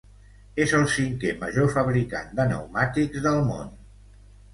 És el cinquè major fabricant de pneumàtics del món.